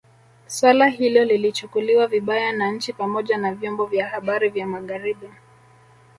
Suala hilo lilichukuliwa vibaya na nchi pamoja na vyombo vya habari vya Magharibi